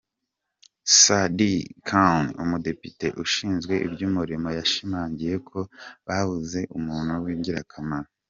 Sadiq Khan, Umudepite ushinzwe iby’umurimo yashimangiye ko babuze umuntu w’ ingirakamaro.